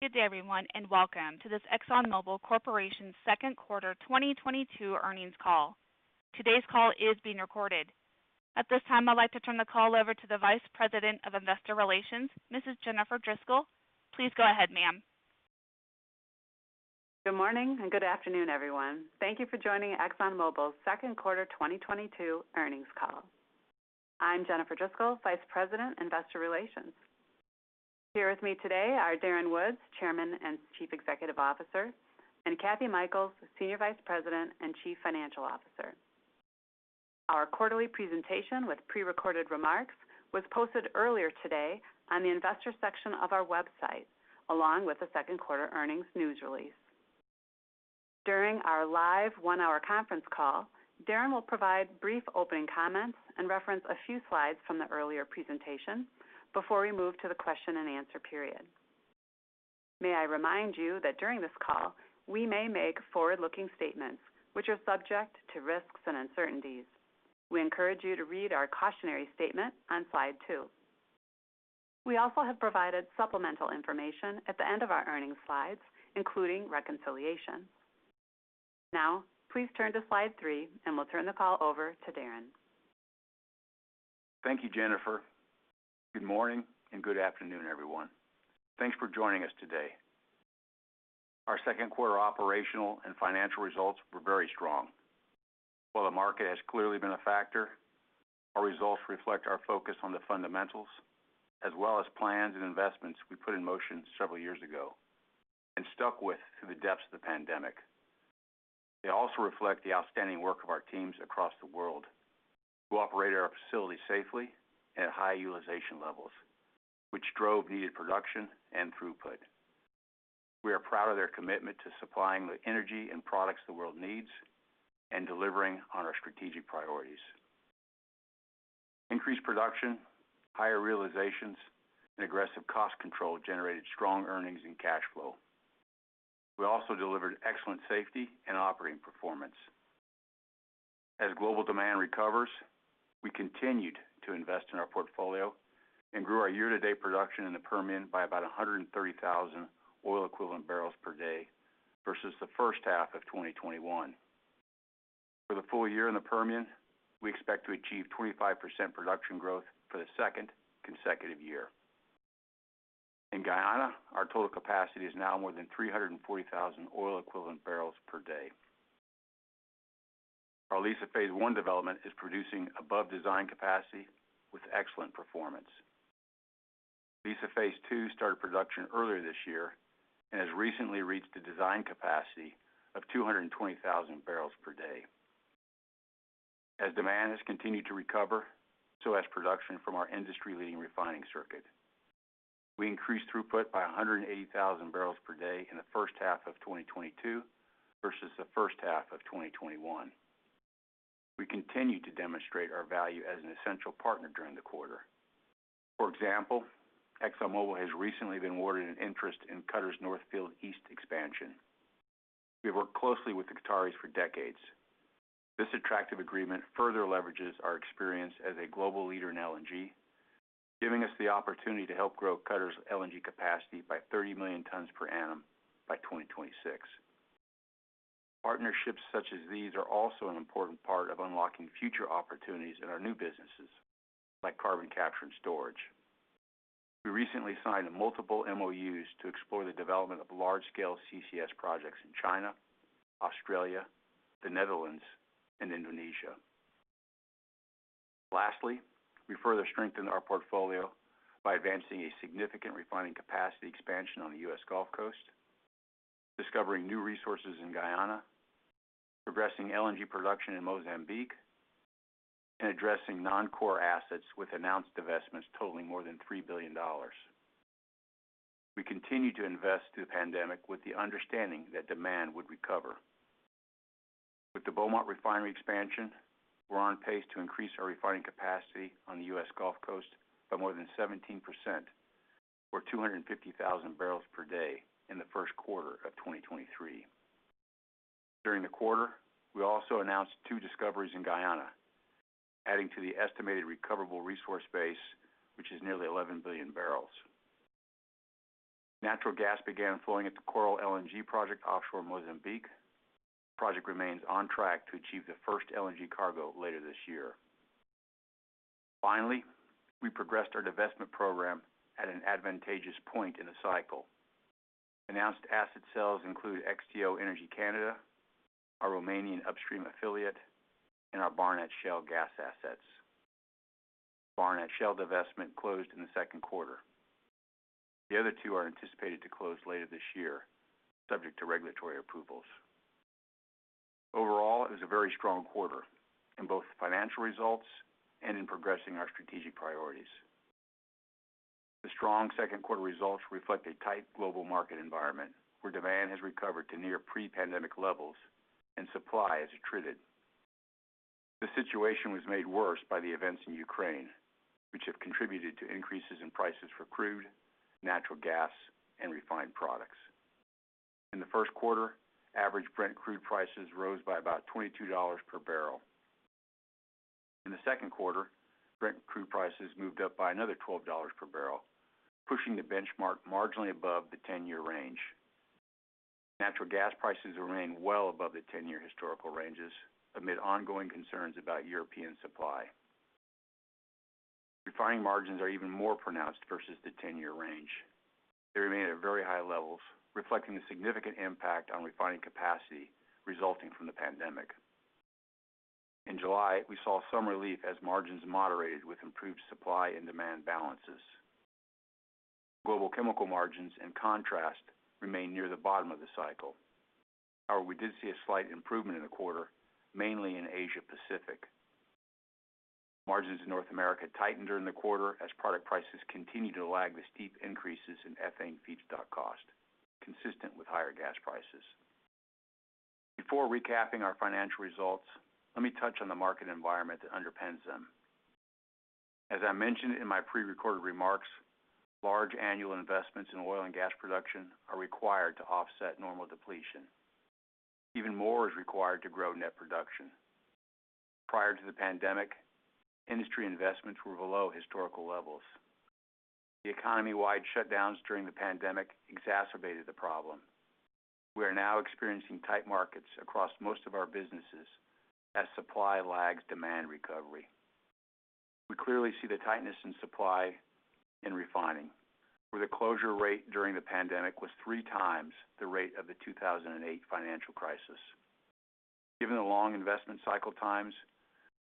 Good day everyone, and welcome to this ExxonMobil Corporation Second Quarter 2022 Earnings Call. Today's call is being recorded. At this time, I'd like to turn the call over to the Vice President of Investor Relations, Mrs. Jennifer Driscoll. Please go ahead, ma'am. Good morning, and good afternoon, everyone. Thank you for joining ExxonMobil's second quarter 2022 earnings call. I'm Jennifer Driscoll, Vice President, Investor Relations. Here with me today are Darren Woods, Chairman and Chief Executive Officer, and Kathryn Mikells, Senior Vice President and Chief Financial Officer. Our quarterly presentation with prerecorded remarks was posted earlier today on the investor section of our website, along with the second quarter earnings news release. During our live one-hour conference call, Darren will provide brief opening comments and reference a few slides from the earlier presentation before we move to the question and answer period. May I remind you that during this call, we may make forward-looking statements which are subject to risks and uncertainties. We encourage you to read our cautionary statement on slide two. We also have provided supplemental information at the end of our earnings slides, including reconciliation. Now, please turn to slide three, and we'll turn the call over to Darren. Thank you, Jennifer. Good morning, and good afternoon, everyone. Thanks for joining us today. Our second quarter operational and financial results were very strong. While the market has clearly been a factor, our results reflect our focus on the fundamentals as well as plans and investments we put in motion several years ago and stuck with through the depths of the pandemic. They also reflect the outstanding work of our teams across the world who operate our facilities safely at high utilization levels, which drove needed production and throughput. We are proud of their commitment to supplying the energy and products the world needs and delivering on our strategic priorities. Increased production, higher realizations, and aggressive cost control generated strong earnings and cash flow. We also delivered excellent safety and operating performance. As global demand recovers, we continued to invest in our portfolio and grew our year-to-date production in the Permian by about 130,000 oil equivalent barrels per day versus the first half of 2021. For the full year in the Permian, we expect to achieve 25% production growth for the second consecutive year. In Guyana, our total capacity is now more than 340,000 oil equivalent barrels per day. Our Liza phase I development is producing above design capacity with excellent performance. Liza phase II started production earlier this year and has recently reached the design capacity of 220,000 barrels per day. As demand has continued to recover, so has production from our industry-leading refining circuit. We increased throughput by 180,000 barrels per day in the first half of 2022 versus the first half of 2021. We continued to demonstrate our value as an essential partner during the quarter. For example, ExxonMobil has recently been awarded an interest in Qatar's North Field East expansion. We've worked closely with the Qataris for decades. This attractive agreement further leverages our experience as a global leader in LNG, giving us the opportunity to help grow Qatar's LNG capacity by 30 million tons per annum by 2026. Partnerships such as these are also an important part of unlocking future opportunities in our new businesses, like carbon capture and storage. We recently signed multiple MOUs to explore the development of large-scale CCS projects in China, Australia, the Netherlands, and Indonesia. Lastly, we further strengthened our portfolio by advancing a significant refining capacity expansion on the US Gulf Coast, discovering new resources in Guyana, progressing LNG production in Mozambique, and addressing non-core assets with announced divestments totaling more than $3 billion. We continued to invest through the pandemic with the understanding that demand would recover. With the Beaumont Refinery expansion, we're on pace to increase our refining capacity on the US Gulf Coast by more than 17%, or 250,000 barrels per day in the first quarter of 2023. During the quarter, we also announced two discoveries in Guyana, adding to the estimated recoverable resource base, which is nearly 11 billion barrels. Natural gas began flowing at the Coral LNG project offshore Mozambique. The project remains on track to achieve the first LNG cargo later this year. Finally, we progressed our divestment program at an advantageous point in the cycle. Announced asset sales include XTO Energy Canada, our Romanian upstream affiliate, and our Barnett Shale gas assets. Barnett Shale divestment closed in the second quarter. The other two are anticipated to close later this year, subject to regulatory approvals. Overall, it was a very strong quarter in both financial results and in progressing our strategic priorities. The strong second quarter results reflect a tight global market environment where demand has recovered to near pre-pandemic levels and supply has attrited. The situation was made worse by the events in Ukraine, which have contributed to increases in prices for crude, natural gas, and refined products. In the first quarter, average Brent crude prices rose by about $22 per barrel. In the second quarter, Brent crude prices moved up by another $12 per barrel, pushing the benchmark marginally above the 10-year range. Natural gas prices remain well above the 10-year historical ranges amid ongoing concerns about European supply. Refining margins are even more pronounced versus the 10-year range. They remain at very high levels, reflecting the significant impact on refining capacity resulting from the pandemic. In July, we saw some relief as margins moderated with improved supply and demand balances. Global chemical margins, in contrast, remain near the bottom of the cycle. However, we did see a slight improvement in the quarter, mainly in Asia Pacific. Margins in North America tightened during the quarter as product prices continued to lag the steep increases in ethane feedstock cost, consistent with higher gas prices. Before recapping our financial results, let me touch on the market environment that underpins them. As I mentioned in my prerecorded remarks, large annual investments in oil and gas production are required to offset normal depletion. Even more is required to grow net production. Prior to the pandemic, industry investments were below historical levels. The economy-wide shutdowns during the pandemic exacerbated the problem. We are now experiencing tight markets across most of our businesses as supply lags demand recovery. We clearly see the tightness in supply in refining, where the closure rate during the pandemic was 3x the rate of the 2008 financial crisis. Given the long investment cycle times,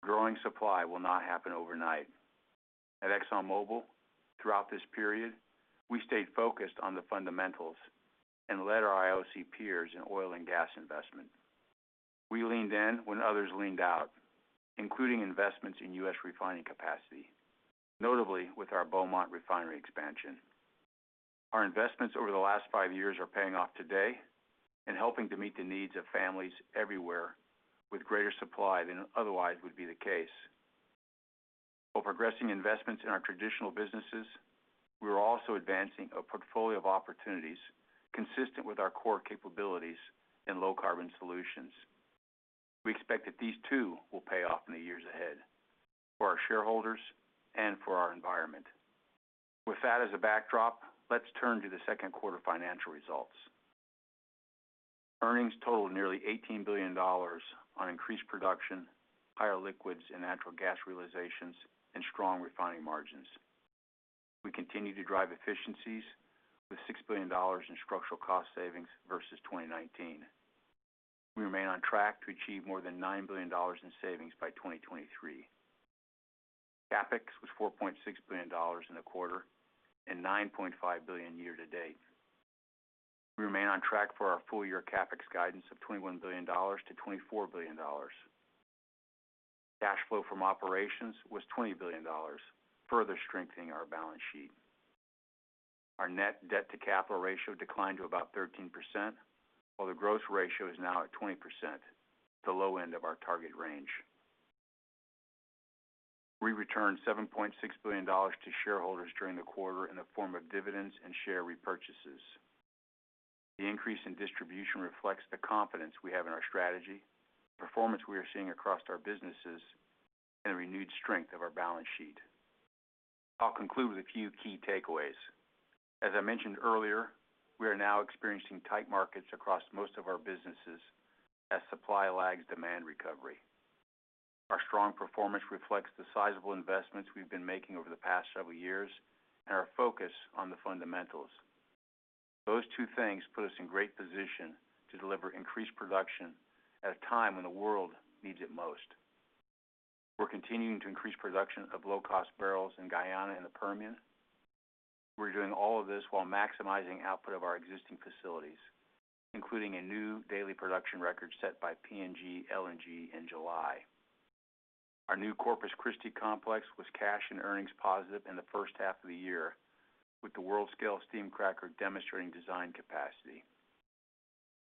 growing supply will not happen overnight. At ExxonMobil, throughout this period, we stayed focused on the fundamentals and led our IOC peers in oil and gas investment. We leaned in when others leaned out, including investments in U.S. refining capacity, notably with our Beaumont Refinery expansion. Our investments over the last five years are paying off today and helping to meet the needs of families everywhere with greater supply than otherwise would be the case. While progressing investments in our traditional businesses, we are also advancing a portfolio of opportunities consistent with our core capabilities in Low Carbon Solutions. We expect that these too will pay off in the years ahead for our shareholders and for our environment. With that as a backdrop, let's turn to the second quarter financial results. Earnings totaled nearly $18 billion on increased production, higher liquids and natural gas realizations, and strong refining margins. We continue to drive efficiencies with $6 billion in structural cost savings versus 2019. We remain on track to achieve more than $9 billion in savings by 2023. CapEx was $4.6 billion in the quarter and $9.5 billion year to date. We remain on track for our full-year CapEx guidance of $21 billion-$24 billion. Cash flow from operations was $20 billion, further strengthening our balance sheet. Our net debt to capital ratio declined to about 13%, while the gross ratio is now at 20%, the low end of our target range. We returned $7.6 billion to shareholders during the quarter in the form of dividends and share repurchases. The increase in distribution reflects the confidence we have in our strategy, the performance we are seeing across our businesses, and the renewed strength of our balance sheet. I'll conclude with a few key takeaways. As I mentioned earlier, we are now experiencing tight markets across most of our businesses as supply lags demand recovery. Our strong performance reflects the sizable investments we've been making over the past several years and our focus on the fundamentals. Those two things put us in great position to deliver increased production at a time when the world needs it most. We're continuing to increase production of low-cost barrels in Guyana and the Permian. We're doing all of this while maximizing output of our existing facilities, including a new daily production record set by PNG LNG in July. Our new Corpus Christi complex was cash and earnings positive in the first half of the year, with the world-scale steam cracker demonstrating design capacity.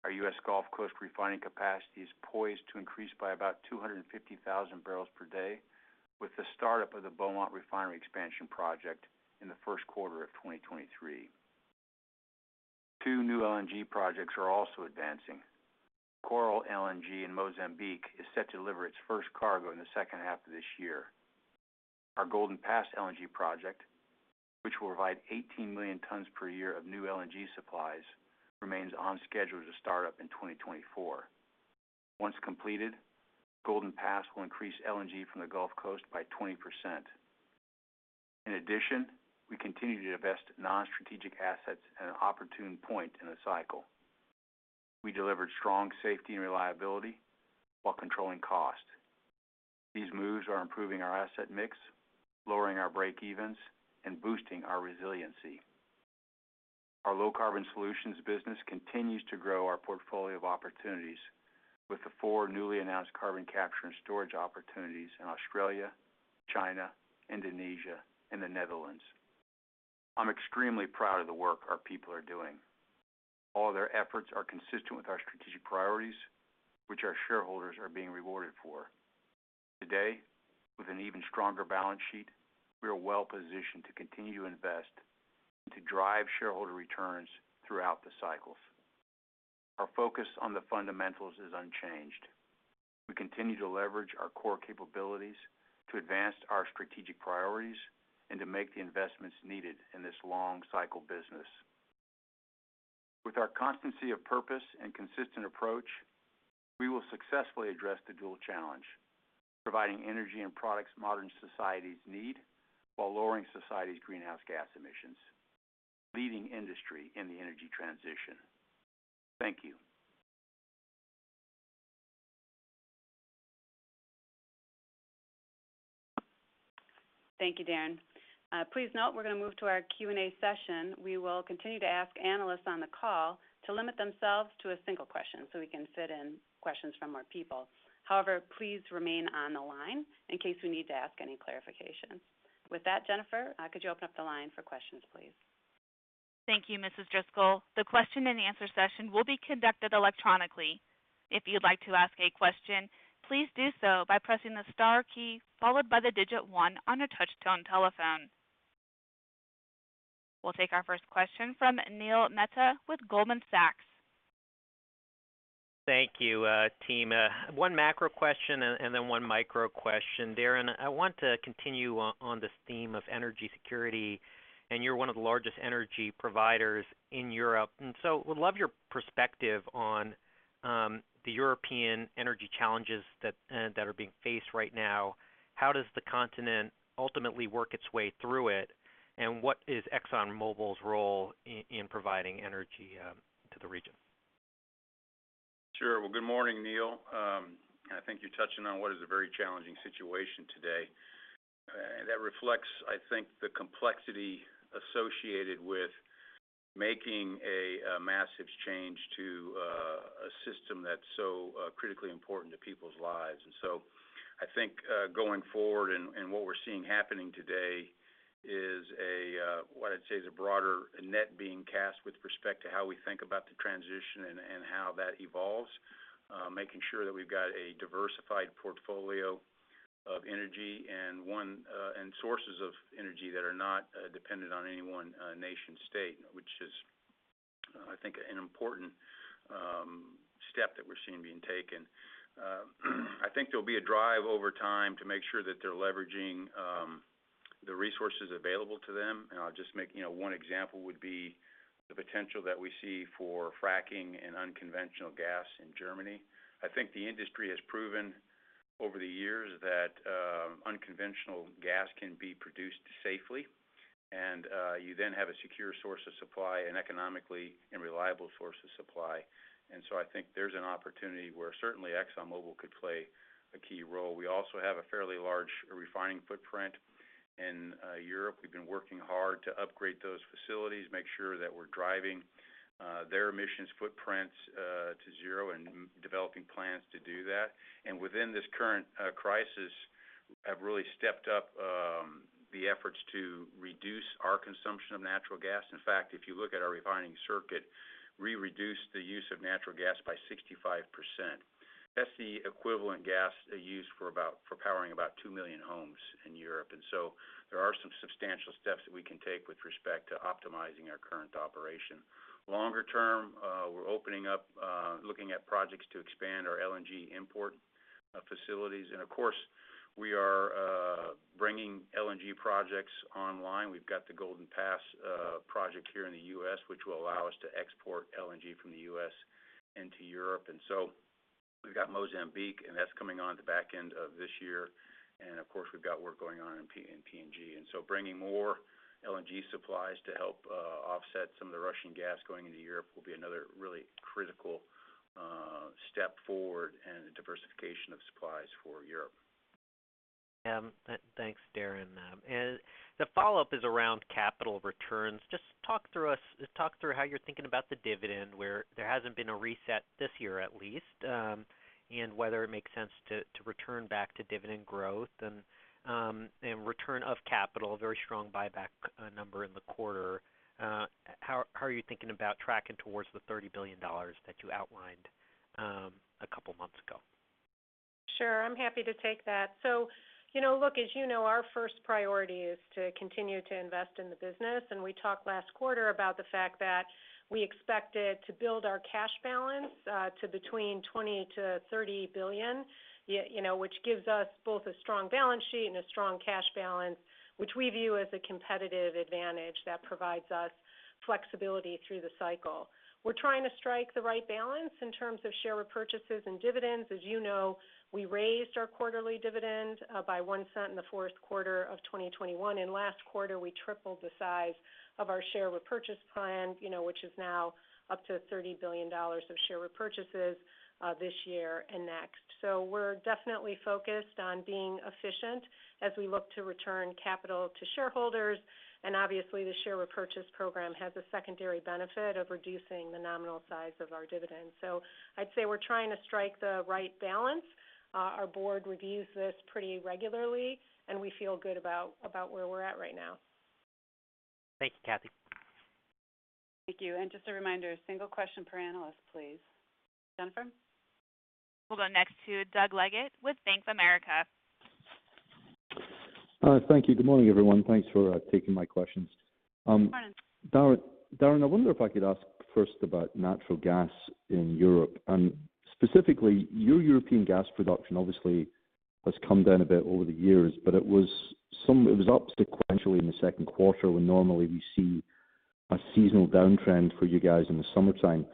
Our US Gulf Coast refining capacity is poised to increase by about 250,000 barrels per day with the startup of the Beaumont Refinery Expansion project in the first quarter of 2023. Two new LNG projects are also advancing. Coral LNG in Mozambique is set to deliver its first cargo in the second half of this year. Our Golden Pass LNG project, which will provide 18 million tons per year of new LNG supplies, remains on schedule to start up in 2024. Once completed, Golden Pass will increase LNG from the Gulf Coast by 20%. In addition, we continue to divest non-strategic assets at an opportune point in the cycle. We delivered strong safety and reliability while controlling cost. These moves are improving our asset mix, lowering our breakeven, and boosting our resiliency. Our Low Carbon Solutions business continues to grow our portfolio of opportunities with the four newly announced carbon capture and storage opportunities in Australia, China, Indonesia, and the Netherlands. I'm extremely proud of the work our people are doing. All their efforts are consistent with our strategic priorities, which our shareholders are being rewarded for. Today, with an even stronger balance sheet, we are well positioned to continue to invest and to drive shareholder returns throughout the cycles. Our focus on the fundamentals is unchanged. We continue to leverage our core capabilities to advance our strategic priorities and to make the investments needed in this long cycle business. With our constancy of purpose and consistent approach, we will successfully address the dual challenge providing energy and products modern societies need while lowering society's greenhouse gas emissions, leading industry in the energy transition. Thank you. Thank you, Darren. Please note we're gonna move to our Q&A session. We will continue to ask analysts on the call to limit themselves to a single question so we can fit in questions from more people. However, please remain on the line in case we need to ask any clarifications. With that, Jennifer, could you open up the line for questions, please? Thank you, Mrs. Driscoll. The question and answer session will be conducted electronically. If you'd like to ask a question, please do so by pressing the star key followed by the digit one on a touch-tone telephone. We'll take our first question from Neil Mehta with Goldman Sachs. Thank you, team. One macro question and then one micro question. Darren, I want to continue on this theme of energy security, and you're one of the largest energy providers in Europe, and so would love your perspective on the European energy challenges that are being faced right now. How does the continent ultimately work its way through it? What is ExxonMobil's role in providing energy to the region? Sure. Well, good morning, Neil. I think you're touching on what is a very challenging situation today. That reflects, I think, the complexity associated with making a massive change to a system that's so critically important to people's lives. I think going forward and what we're seeing happening today is what I'd say is a broader net being cast with respect to how we think about the transition and how that evolves. Making sure that we've got a diversified portfolio of energy and one and sources of energy that are not dependent on any one nation-state, which is, I think, an important step that we're seeing being taken. I think there'll be a drive over time to make sure that they're leveraging the resources available to them. One example would be the potential that we see for fracking and unconventional gas in Germany. I think the industry has proven over the years that unconventional gas can be produced safely, and you then have a secure source of supply and economically and reliable source of supply. I think there's an opportunity where certainly ExxonMobil could play a key role. We also have a fairly large refining footprint in Europe. We've been working hard to upgrade those facilities, make sure that we're driving their emissions footprints to zero and developing plans to do that. Within this current crisis have really stepped up the efforts to reduce our consumption of natural gas. In fact, if you look at our refining circuit, we reduced the use of natural gas by 65%. That's the equivalent gas used for powering about 2 million homes in Europe. There are some substantial steps that we can take with respect to optimizing our current operation. Longer term, we're looking at projects to expand our LNG import facilities. We are bringing LNG projects online. We've got the Golden Pass project here in the U.S., which will allow us to export LNG from the U.S. into Europe. We've got Mozambique, and that's coming on the back end of this year. We've got work going on in PNG. Bringing more LNG supplies to help offset some of the Russian gas going into Europe will be another really critical step forward in the diversification of supplies for Europe. Thanks, Darren. The follow-up is around capital returns. Just talk through how you're thinking about the dividend, where there hasn't been a reset this year at least, and whether it makes sense to return back to dividend growth and return of capital, a very strong buyback number in the quarter. How are you thinking about tracking towards the $30 billion that you outlined a couple months ago? I'm happy to take that. You know, look, as you know, our first priority is to continue to invest in the business. We talked last quarter about the fact that we expected to build our cash balance to between $20 billion-$30 billion, you know, which gives us both a strong balance sheet and a strong cash balance, which we view as a competitive advantage that provides us flexibility through the cycle. We're trying to strike the right balance in terms of share repurchases and dividends. As you know, we raised our quarterly dividend by $0.01 in the fourth quarter of 2021. Last quarter, we tripled the size of our share repurchase plan, you know, which is now up to $30 billion of share repurchases this year and next. We're definitely focused on being efficient as we look to return capital to shareholders. Obviously, the share repurchase program has a secondary benefit of reducing the nominal size of our dividend. I'd say we're trying to strike the right balance. Our board reviews this pretty regularly, and we feel good about where we're at right now. Thank you, Kathy. Thank you. Just a reminder, a single question per analyst, please. Jennifer? We'll go next to Doug Leggate with Banc of America. Thank you. Good morning, everyone. Thanks for taking my questions. Good morning. Darren Woods, I wonder if I could ask first about natural gas in Europe, and specifically, your European gas production obviously has come down a bit over the years, but it was up sequentially in the second quarter when normally we see a seasonal downtrend for you guys in the summertime.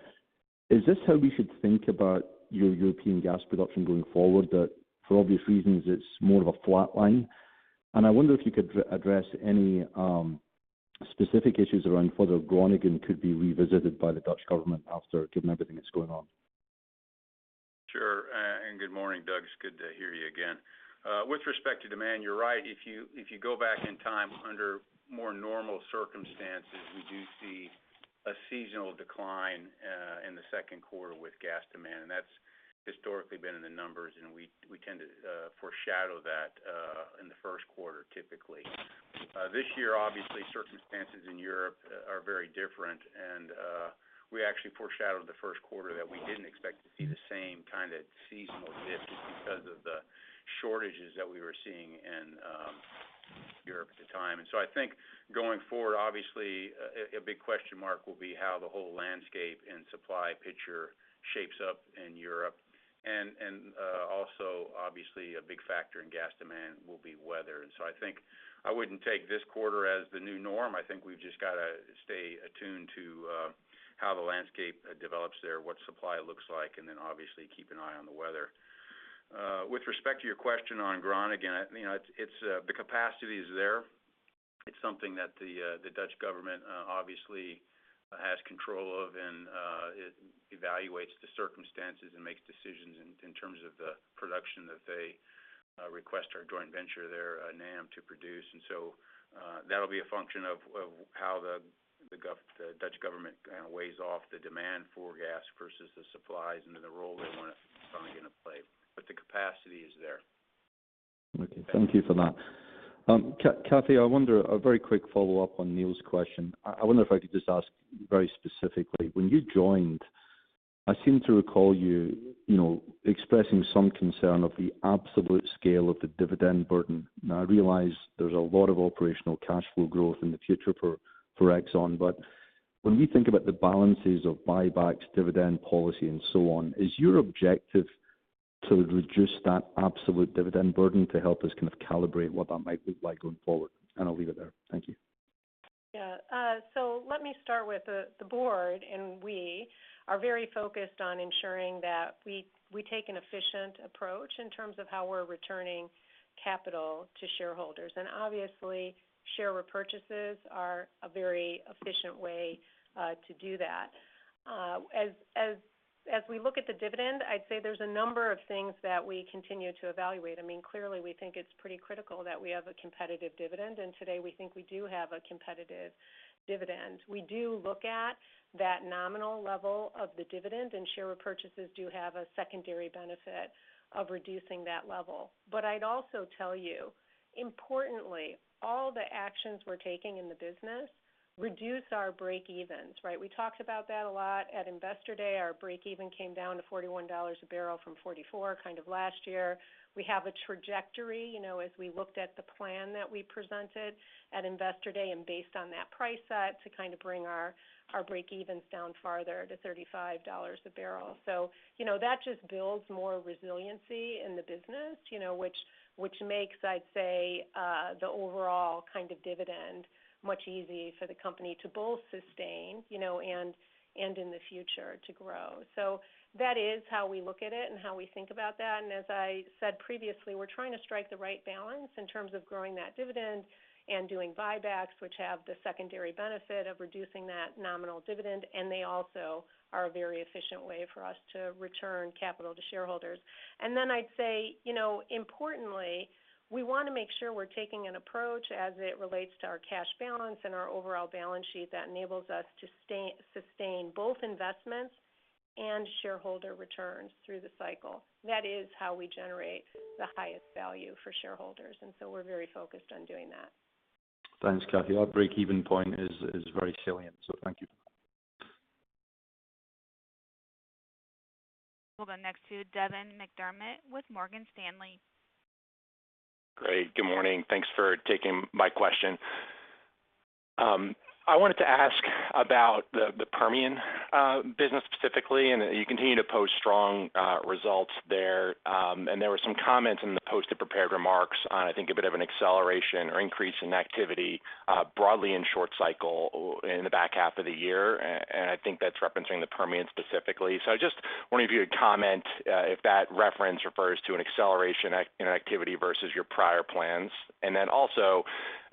Is this how we should think about your European gas production going forward? That for obvious reasons, it's more of a flat line. I wonder if you could address any specific issues around whether Groningen could be revisited by the Dutch government after given everything that's going on. Sure. Good morning, Doug. It's good to hear you again. With respect to demand, you're right. If you go back in time under more normal circumstances, we do see a seasonal decline in the second quarter with gas demand. That's historically been in the numbers, and we tend to foreshadow that in the first quarter typically. This year, obviously, circumstances in Europe are very different, and we actually foreshadowed the first quarter that we didn't expect to see the same kind of seasonal dip just because of the shortages that we were seeing in Europe at the time. I think going forward, obviously a big question mark will be how the whole landscape and supply picture shapes up in Europe. Also obviously a big factor in gas demand will be weather. I think I wouldn't take this quarter as the new norm. I think we've just gotta stay attuned to how the landscape develops there, what supply looks like, and then obviously keep an eye on the weather. With respect to your question on Groningen, the capacity is there. It's something that the Dutch government obviously has control of, and it evaluates the circumstances and makes decisions in terms of the production that they request our joint venture there, NAM, to produce. That'll be a function of how the Dutch government kinda weighs off the demand for gas versus the supplies and the role they wanna play. The capacity is there. Okay, thank you for that. Kathy, I wonder, a very quick follow-up on Neil's question. I wonder if I could just ask very specifically, when you joined, I seem to recall you know, expressing some concern of the absolute scale of the dividend burden. Now, I realize there's a lot of operational cash flow growth in the future for Exxon, but when we think about the balances of buybacks, dividend policy and so on, is your objective to reduce that absolute dividend burden to help us kind of calibrate what that might look like going forward? I'll leave it there. Thank you. Yeah. Let me start with the board, and we are very focused on ensuring that we take an efficient approach in terms of how we're returning capital to shareholders. Obviously, share repurchases are a very efficient way to do that. As we look at the dividend, I'd say there's a number of things that we continue to evaluate. I mean, clearly we think it's pretty critical that we have a competitive dividend, and today we think we do have a competitive dividend. We do look at that nominal level of the dividend, and share repurchases do have a secondary benefit of reducing that level. I'd also tell you, importantly, all the actions we're taking in the business reduce our breakeven, right? We talked about that a lot at Investor Day. Our breakeven came down to $41 a barrel from $44 kind of last year. We have a trajectory, you know, as we looked at the plan that we presented at Investor Day and based on that price set to kind of bring our breakeven down farther to $35 a barrel. You know, that just builds more resiliency in the business, you know, which makes, I'd say, the overall kind of dividend much easier for the company to both sustain, you know, and in the future to grow. That is how we look at it and how we think about that. As I said previously, we're trying to strike the right balance in terms of growing that dividend and doing buybacks, which have the secondary benefit of reducing that nominal dividend, and they also are a very efficient way for us to return capital to shareholders. Then I'd say, you know, importantly, we wanna make sure we're taking an approach as it relates to our cash balance and our overall balance sheet that enables us to sustain both investments and shareholder returns through the cycle. That is how we generate the highest value for shareholders, and so we're very focused on doing that. Thanks, Kathy. Our breakeven point is very salient, so thank you. We'll go next to Devin McDermott with Morgan Stanley. Great. Good morning. Thanks for taking my question. I wanted to ask about the Permian business specifically, and you continue to post strong results there. There were some comments in the posted prepared remarks on, I think, a bit of an acceleration or increase in activity broadly in short cycle in the back half of the year, and I think that's referencing the Permian specifically. I just wonder if you would comment if that reference refers to an acceleration in activity versus your prior plans. Then also,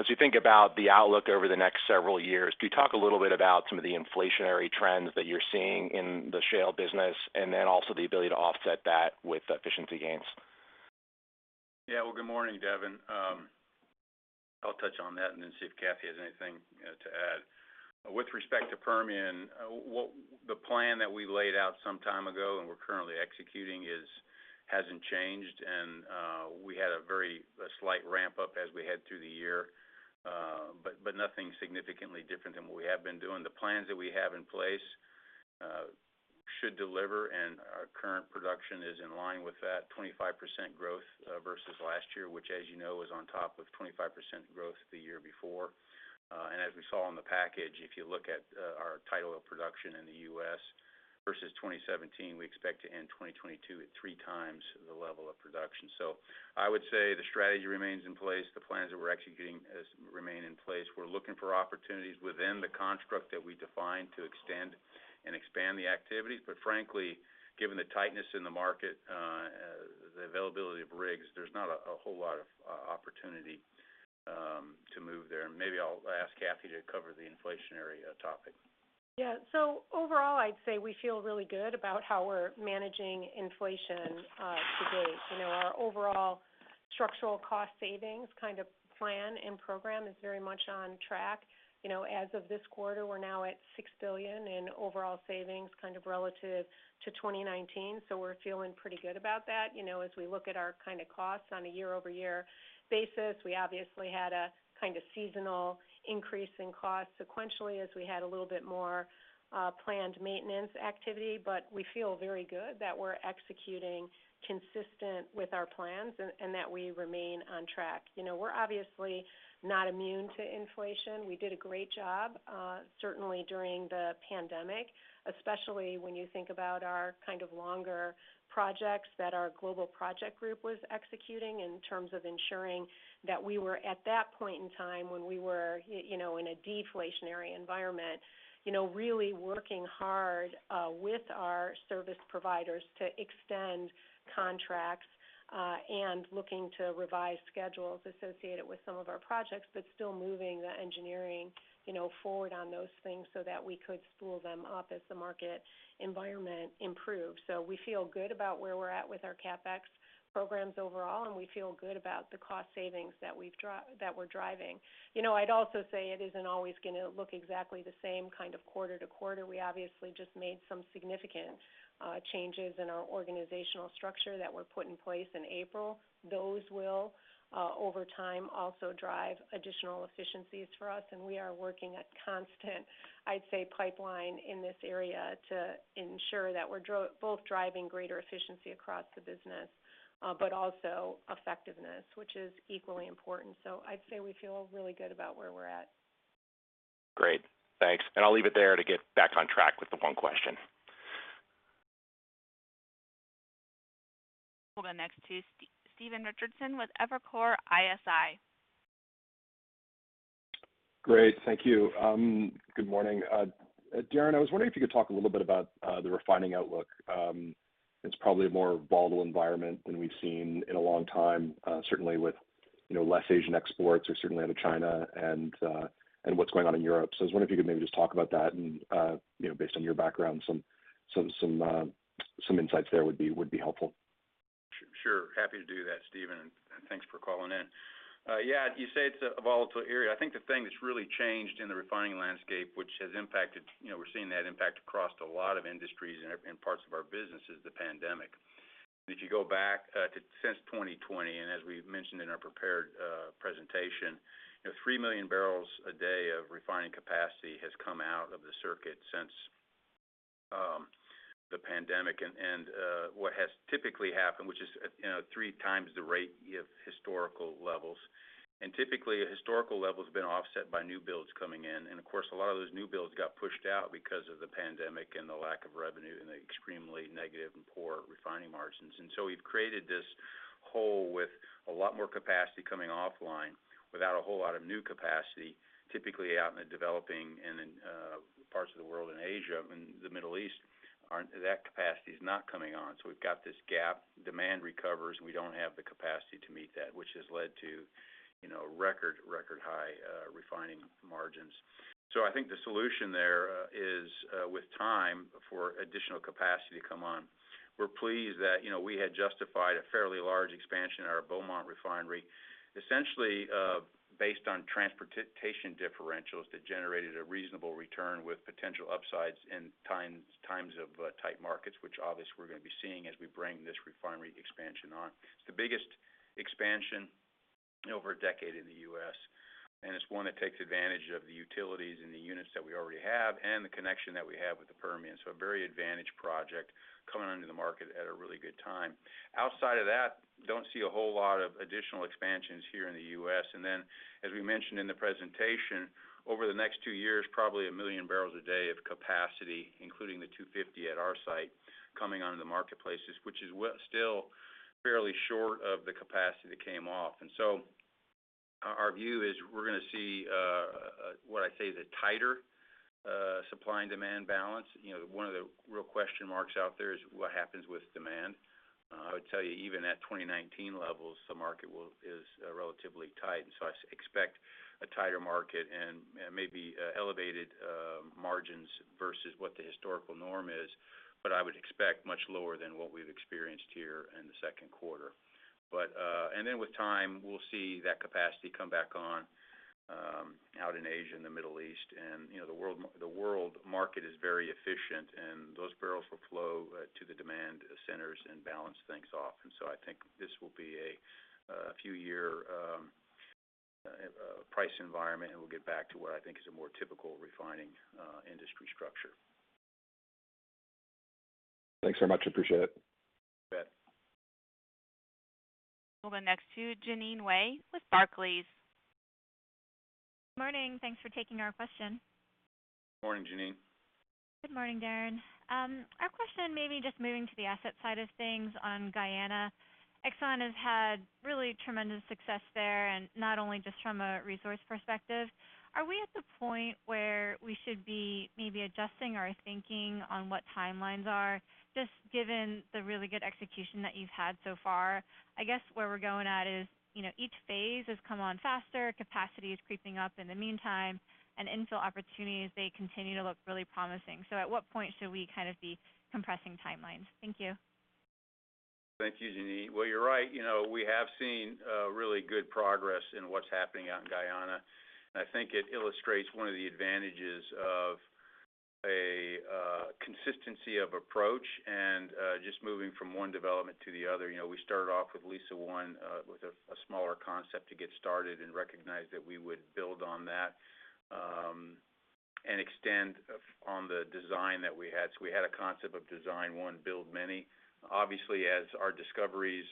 as you think about the outlook over the next several years, could you talk a little bit about some of the inflationary trends that you're seeing in the shale business, and then also the ability to offset that with efficiency gains? Yeah. Well, good morning, Devin. I'll touch on that and then see if Kathy has anything to add. With respect to Permian, the plan that we laid out some time ago and we're currently executing is, hasn't changed. We had a very slight ramp up as we head through the summer. But nothing significantly different than what we have been doing. The plans that we have in place should deliver, and our current production is in line with that 25% growth versus last year, which as you know, is on top of 25% growth the year before. As we saw in the package, if you look at our total production in the US versus 2017, we expect to end 2022 at three times the level of production. I would say the strategy remains in place. The plans that we're executing remain in place. We're looking for opportunities within the construct that we define to extend and expand the activities. Frankly, given the tightness in the market, the availability of rigs, there's not a whole lot of opportunity to move there. Maybe I'll ask Kathy to cover the inflationary topic. Yeah. Overall, I'd say we feel really good about how we're managing inflation to date. You know, our overall structural cost savings kind of plan and program is very much on track. You know, as of this quarter, we're now at $6 billion in overall savings kind of relative to 2019, so we're feeling pretty good about that. You know, as we look at our kind of costs on a year-over-year basis, we obviously had a kind of seasonal increase in costs sequentially as we had a little bit more planned maintenance activity. But we feel very good that we're executing consistent with our plans and that we remain on track. You know, we're obviously not immune to inflation. We did a great job certainly during the pandemic, especially when you think about our kind of longer projects that our global project group was executing in terms of ensuring that we were at that point in time when we were, you know, in a deflationary environment, you know, really working hard with our service providers to extend contracts and looking to revise schedules associated with some of our projects, but still moving the engineering, you know, forward on those things so that we could spool them up as the market environment improved. We feel good about where we're at with our CapEx programs overall, and we feel good about the cost savings that we're driving. You know, I'd also say it isn't always gonna look exactly the same kind of quarter to quarter. We obviously just made some significant changes in our organizational structure that were put in place in April. Those will, over time, also drive additional efficiencies for us, and we are working at constant, I'd say, pipeline in this area to ensure that we're both driving greater efficiency across the business, but also effectiveness, which is equally important. I'd say we feel really good about where we're at. Great. Thanks. I'll leave it there to get back on track with the one question. We'll go next to Stephen Richardson with Evercore ISI. Great. Thank you. Good morning. Darren, I was wondering if you could talk a little bit about the refining outlook. It's probably a more volatile environment than we've seen in a long time, certainly with, you know, less Asian exports or certainly out of China and what's going on in Europe. I was wondering if you could maybe just talk about that and, you know, based on your background, some insights there would be helpful. Sure. Happy to do that, Stephen. And thanks for calling in. Yeah, you say it's a volatile area. I think the thing that's really changed in the refining landscape, which has impacted, you know, we're seeing that impact across a lot of industries and parts of our business is the pandemic. If you go back to since 2020, and as we've mentioned in our prepared presentation, you know, 3 million barrels a day of refining capacity has come out of the circuit since the pandemic. What has typically happened, which is, you know, three times the rate of historical levels. Typically, a historical level's been offset by new builds coming in. Of course, a lot of those new builds got pushed out because of the pandemic and the lack of revenue and the extremely negative and poor refining margins. We've created this hole with a lot more capacity coming offline without a whole lot of new capacity, typically out in the developing and in parts of the world in Asia and the Middle East. That capacity is not coming on. We've got this gap. Demand recovers, and we don't have the capacity to meet that, which has led to, you know, record high refining margins. I think the solution there is with time for additional capacity to come on. We're pleased that, you know, we had justified a fairly large expansion in our Beaumont Refinery, essentially, based on transportation differentials that generated a reasonable return with potential upsides in times of tight markets, which obviously we're gonna be seeing as we bring this refinery expansion on. It's the biggest expansion in over a decade in the U.S., and it's one that takes advantage of the utilities and the units that we already have and the connection that we have with the Permian. A very advantaged project coming into the market at a really good time. Outside of that, don't see a whole lot of additional expansions here in the U.S. As we mentioned in the presentation, over the next two years, probably 1 million barrels a day of capacity, including the 250 at our site coming onto the marketplaces, which is still fairly short of the capacity that came off. Our view is we're gonna see what I say is a tighter supply and demand balance. You know, one of the real question marks out there is what happens with demand. I would tell you even at 2019 levels, the market is relatively tight. I expect a tighter market and maybe elevated margins versus what the historical norm is. I would expect much lower than what we've experienced here in the second quarter. With time, we'll see that capacity come back on out in Asia and the Middle East. You know, the world market is very efficient, and those barrels will flow to the demand centers and balance things off. I think this will be a few-year price environment, and we'll get back to what I think is a more typical refining industry structure. Thanks very much. Appreciate it. You bet. We'll go next to Jeanine Wai with Barclays. Morning. Thanks for taking our question. Morning, Jeanine. Good morning, Darren. Our question maybe just moving to the asset side of things on Guyana. Exxon has had really tremendous success there, and not only just from a resource perspective. Are we at the point where we should be maybe adjusting our thinking on what timelines are, just given the really good execution that you've had so far? I guess where we're going at is, you know, each phase has come on faster, capacity is creeping up in the meantime, and infill opportunities, they continue to look really promising. At what point should we kind of be compressing timelines? Thank you. Thank you, Jeanine. Well, you're right. You know, we have seen really good progress in what's happening out in Guyana, and I think it illustrates one of the advantages of a consistency of approach and just moving from one development to the other. You know, we started off with Liza-1 with a smaller concept to get started and recognized that we would build on that and extend on the design that we had. We had a concept of design one, build many. Obviously, as our discoveries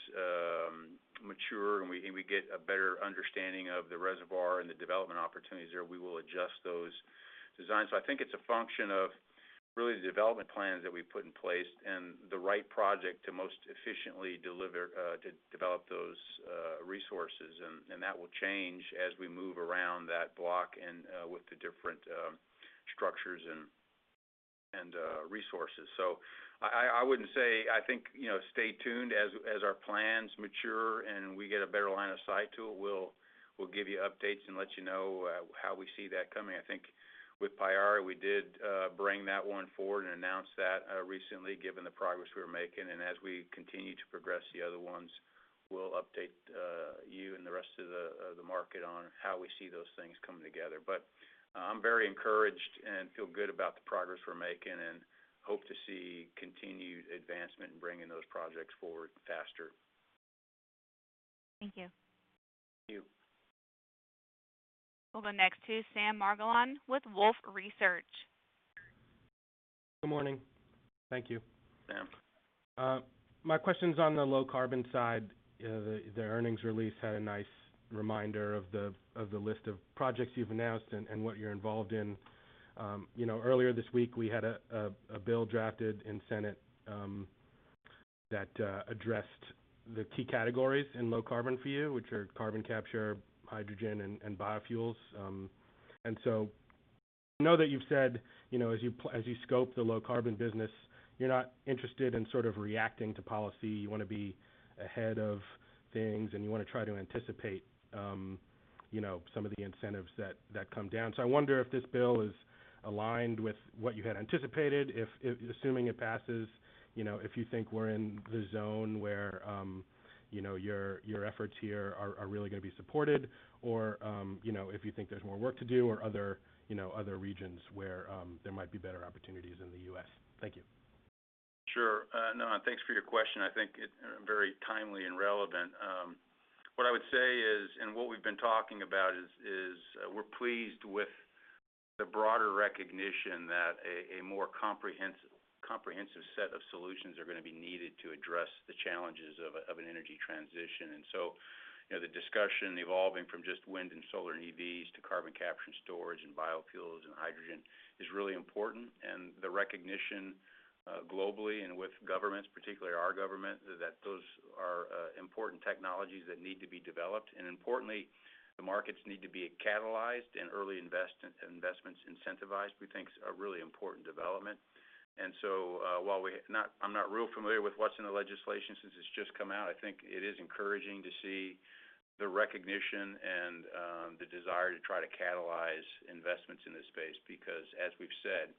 mature and we get a better understanding of the reservoir and the development opportunities there, we will adjust those designs. I think it's a function of really the development plans that we've put in place and the right project to most efficiently deliver to develop those resources. That will change as we move around that block and with the different structures and resources. I wouldn't say. I think, you know, stay tuned as our plans mature and we get a better line of sight to it. We'll give you updates and let you know how we see that coming. I think with Payara, we did bring that one forward and announce that recently, given the progress we were making. As we continue to progress the other ones, we'll update you and the rest of the market on how we see those things coming together. I'm very encouraged and feel good about the progress we're making, and hope to see continued advancement in bringing those projects forward faster. Thank you. Thank you. We'll go next to Sam Margolin with Wolfe Research. Good morning. Thank you. Sam. My question's on the Low Carbon side. The earnings release had a nice reminder of the list of projects you've announced and what you're involved in. You know, earlier this week, we had a bill drafted in the Senate that addressed the key categories in Low Carbon for you, which are carbon capture, hydrogen, and biofuels. We know that you've said, you know, as you scope the Low Carbon business, you're not interested in sort of reacting to policy. You wanna be ahead of things, and you wanna try to anticipate, you know, some of the incentives that come down. I wonder if this bill is aligned with what you had anticipated. If assuming it passes, you know, if you think we're in the zone where, you know, your efforts here are really gonna be supported, or, you know, if you think there's more work to do or other, you know, other regions where, there might be better opportunities in the U.S.? Thank you. Sure. No, thanks for your question. I think it's very timely and relevant. What I would say, and what we've been talking about, is we're pleased with the broader recognition that a more comprehensive set of solutions are gonna be needed to address the challenges of an energy transition. You know, the discussion evolving from just wind and solar and EVs to carbon capture and storage and biofuels and hydrogen is really important. The recognition globally and with governments, particularly our government, that those are important technologies that need to be developed. Importantly, the markets need to be catalyzed and early investments incentivized, we think is a really important development. I'm not real familiar with what's in the legislation since it's just come out. I think it is encouraging to see the recognition and the desire to try to catalyze investments in this space. Because as we've said,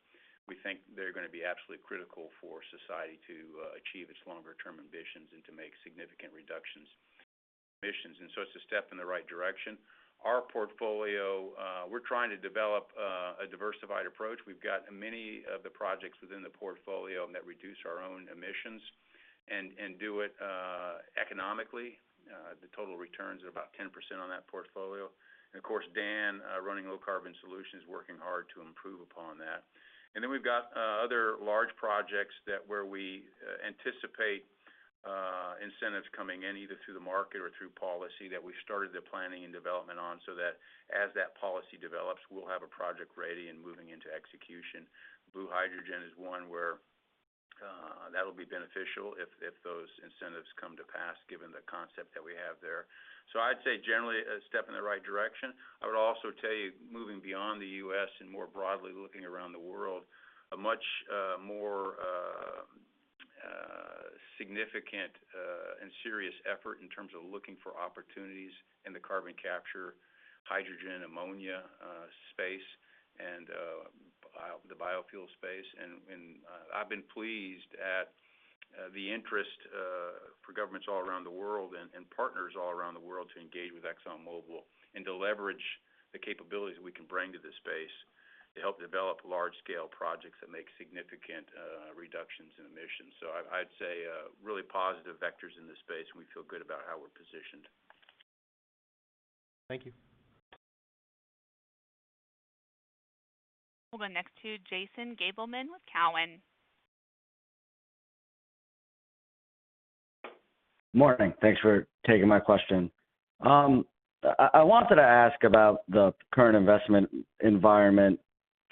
we think they're gonna be absolutely critical for society to achieve its longer term ambitions and to make significant reductions in emissions. It's a step in the right direction. Our portfolio, we're trying to develop a diversified approach. We've got many of the projects within the portfolio that reduce our own emissions and do it economically. The total returns are about 10% on that portfolio. Of course, Dan, running Low Carbon Solutions, is working hard to improve upon that. Then we've got other large projects that where we anticipate incentives coming in, either through the market or through policy, that we started the planning and development on, so that as that policy develops, we'll have a project ready and moving into execution. Blue hydrogen is one where that'll be beneficial if those incentives come to pass, given the concept that we have there. So I'd say generally a step in the right direction. I would also tell you, moving beyond the U.S. and more broadly looking around the world, a much more significant and serious effort in terms of looking for opportunities in the carbon capture, hydrogen, ammonia space and the biofuel space. I've been pleased at the interest for governments all around the world and partners all around the world to engage with ExxonMobil and to leverage the capabilities we can bring to this space to help develop large-scale projects that make significant reductions in emissions. I'd say really positive vectors in this space, and we feel good about how we're positioned. Thank you. We'll go next to Jason Gabelman with TD Cowen. Morning. Thanks for taking my question. I wanted to ask about the current investment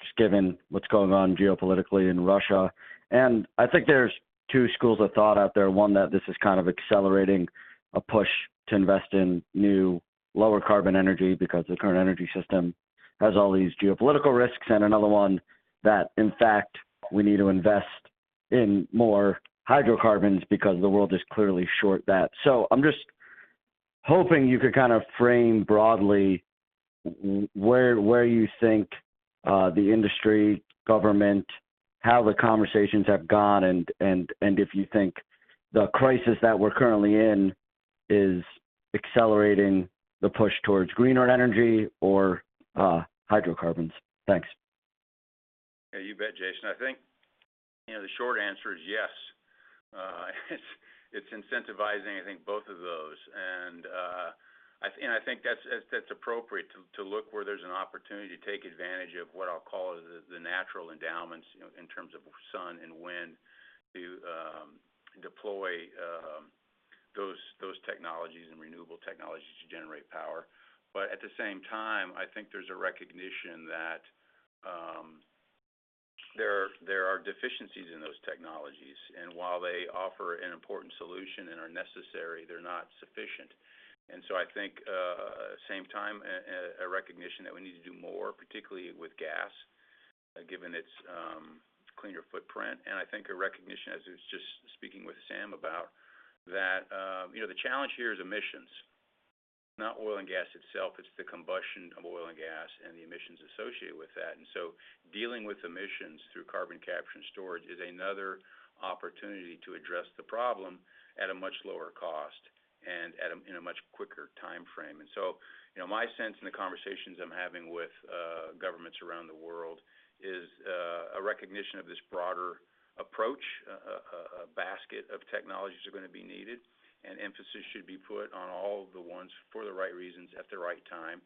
environment, just given what's going on geopolitically in Russia. I think there's two schools of thought out there. One, that this is kind of accelerating a push to invest in new lower carbon energy because the current energy system has all these geopolitical risks. Another one that, in fact, we need to invest in more hydrocarbons because the world is clearly short that. I'm just hoping you could kind of frame broadly where you think the industry, government, how the conversations have gone, and if you think the crisis that we're currently in is accelerating the push towards greener energy or hydrocarbons. Thanks. Yeah, you bet, Jason. I think, you know, the short answer is yes. It's incentivizing, I think both of those. I think that's appropriate to look where there's an opportunity to take advantage of what I'll call the natural endowments, you know, in terms of sun and wind to deploy those technologies and renewable technologies to generate power. But at the same time, I think there's a recognition that there are deficiencies in those technologies. While they offer an important solution and are necessary, they're not sufficient. I think at the same time a recognition that we need to do more, particularly with gas, given its cleaner footprint. I think a recognition, as I was just speaking with Sam about that, you know, the challenge here is emissions, not oil and gas itself. It's the combustion of oil and gas and the emissions associated with that. Dealing with emissions through carbon capture and storage is another opportunity to address the problem at a much lower cost and in a much quicker timeframe. You know, my sense in the conversations I'm having with governments around the world is a recognition of this broader approach. A basket of technologies are gonna be needed, and emphasis should be put on all the ones for the right reasons at the right time.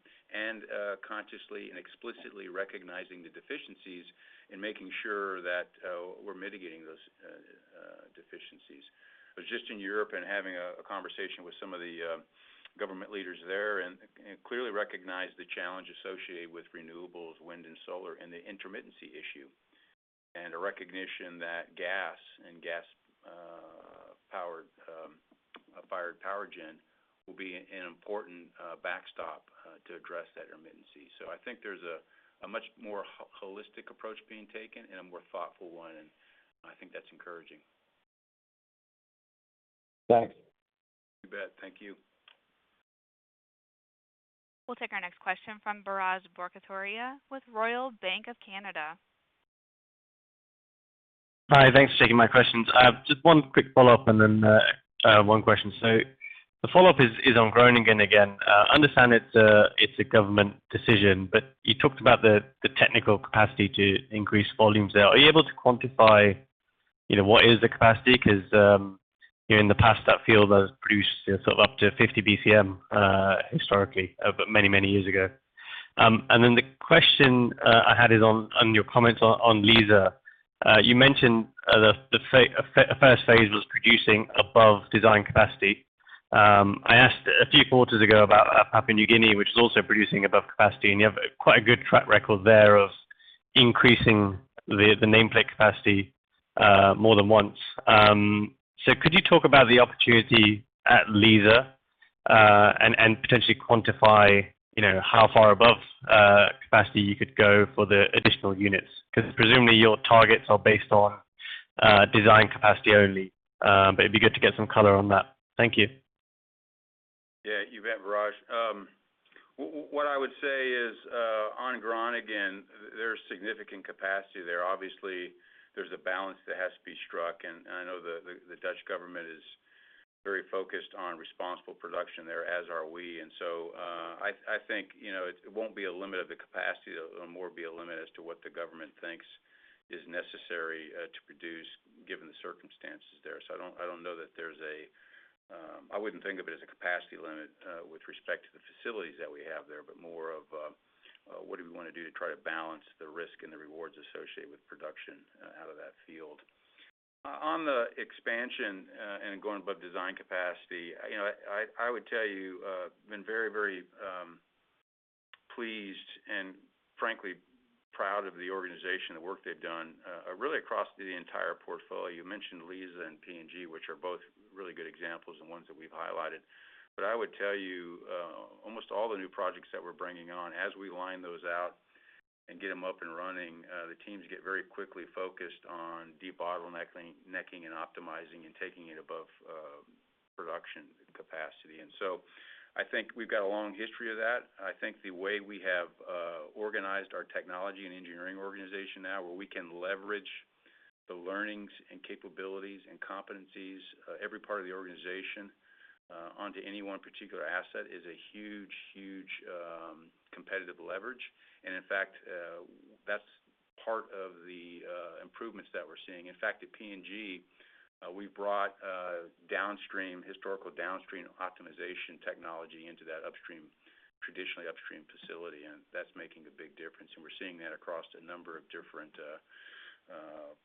Consciously and explicitly recognizing the deficiencies and making sure that we're mitigating those deficiencies. I was just in Europe and having a conversation with some of the government leaders there and clearly recognized the challenge associated with renewables, wind and solar, and the intermittency issue. A recognition that gas fired power gen will be an important backstop to address that intermittency. I think there's a much more holistic approach being taken and a more thoughtful one, and I think that's encouraging. Thanks. You bet. Thank you. We'll take our next question from Biraj Borkhataria with Royal Bank of Canada. Hi. Thanks for taking my questions. Just one quick follow-up and then one question. The follow-up is on Groningen again. Understand it's a government decision, but you talked about the technical capacity to increase volumes there. Are you able to quantify, you know, what is the capacity? 'Cause, you know, in the past that field has produced, you know, sort of up to 50 BCM historically, but many years ago. The question I had is on your comments on Liza. You mentioned the first phase was producing above design capacity. I asked a few quarters ago about Papua New Guinea, which is also producing above capacity, and you have quite a good track record there of increasing the nameplate capacity more than once. Could you talk about the opportunity at Liza and potentially quantify, you know, how far above capacity you could go for the additional units? 'Cause presumably your targets are based on design capacity only. It'd be good to get some color on that. Thank you. Yeah, you bet, Biraj. What I would say is, on Groningen, there's significant capacity there. Obviously, there's a balance that has to be struck, and I know the Dutch government is very focused on responsible production there, as are we. I think, you know, it won't be a limit of the capacity. It'll more be a limit as to what the government thinks is necessary to produce given the circumstances there. I don't know that there's a. I wouldn't think of it as a capacity limit with respect to the facilities that we have there, but more of what do we wanna do to try to balance the risk and the rewards associated with production out of that field. On the expansion and going above design capacity, you know, I would tell you I've been very pleased and frankly proud of the organization, the work they've done really across the entire portfolio. You mentioned Liza and PNG, which are both really good examples and ones that we've highlighted. I would tell you almost all the new projects that we're bringing on, as we line those out and get them up and running, the teams get very quickly focused on debottlenecking and optimizing and taking it above production capacity. I think we've got a long history of that. I think the way we have organized our technology and engineering organization now where we can leverage the learnings and capabilities and competencies every part of the organization onto any one particular asset is a huge competitive leverage. In fact, that's part of the improvements that we're seeing. In fact, at PNG LNG, we brought downstream historical downstream optimization technology into that upstream, traditionally upstream facility, and that's making a big difference. We're seeing that across a number of different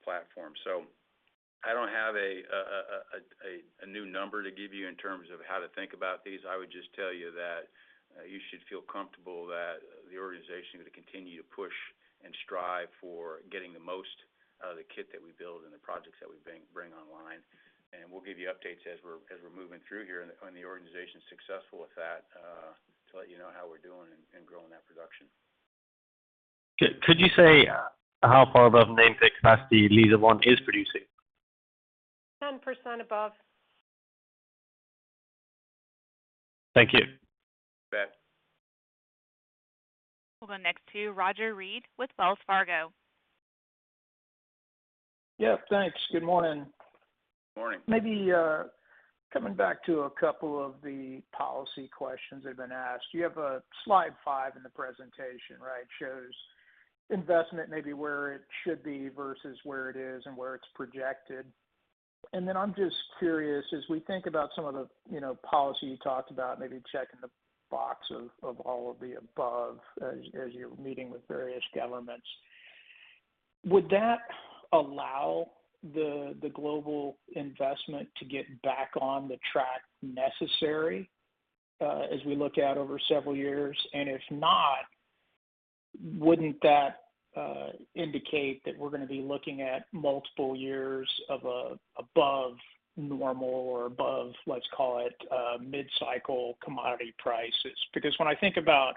platforms. I don't have a new number to give you in terms of how to think about these. I would just tell you that you should feel comfortable that the organization is going to continue to push and strive for getting the most out of the kit that we build and the projects that we bring online. We'll give you updates as we're moving through here and the organization's successful with that to let you know how we're doing and growing that production. Could you say how far above nameplate capacity Liza-1 is producing? 10% above. Thank you. You bet. We'll go next to Roger Read with Wells Fargo. Yes. Thanks. Good morning. Morning. Maybe, coming back to a couple of the policy questions that have been asked. You have, slide five in the presentation, right? It shows investment maybe where it should be versus where it is and where it's projected. Then I'm just curious, as we think about some of the, you know, policy you talked about, maybe checking the box of all of the above as you're meeting with various governments. Would that allow the global investment to get back on the track necessary, as we look out over several years? If not, wouldn't that indicate that we're gonna be looking at multiple years of above normal or above, let's call it, mid-cycle commodity prices? Because when I think about